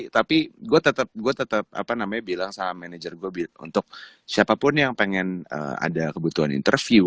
tapi gue tetap bilang sama manajer gue untuk siapapun yang pengen ada kebutuhan interview